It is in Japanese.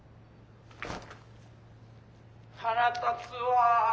腹立つわぁ。